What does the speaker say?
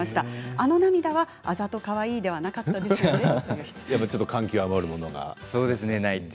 あの涙は、あざとかわいいではちょっと感極まって？